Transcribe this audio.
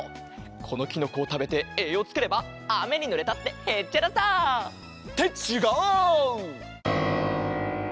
このきのこをたべてえいようつければあめにぬれたってへっちゃらさ！ってちがう！